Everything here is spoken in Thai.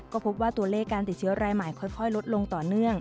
ก็พบว่าตัวเลขการติดเชื้อรายใหม่ค่อยลดลงต่อเนื่อง